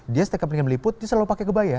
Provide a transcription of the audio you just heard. dia setiap kepentingan meliput dia selalu pakai kebaya